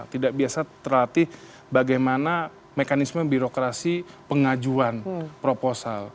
tidak biasa terlatih bagaimana mekanisme birokrasi pengajuan proposal